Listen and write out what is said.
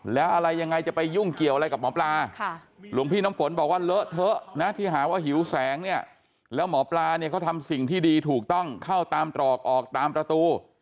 แล้วอะไรยังไงจะไปยุ่งเกี่ยวอะไรกับหมอปลาหลวงพี่น้ำฝนบอกว่าเลอะเถอะนะที่หาว่าหิวแสงเนี่ยแล้วหมอปลาเนี่ยเขาทำสิ่งที่ดีถูกต้องเข้าตามตรอกออกตามประตู